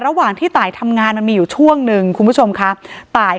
ระหว่างที่ตายทำงานมันมีอยู่ช่วงหนึ่งคุณผู้ชมครับตาย